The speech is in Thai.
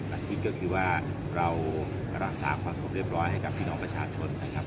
หลักคิดก็คือว่าเรารักษาความสงบเรียบร้อยให้กับพี่น้องประชาชนนะครับ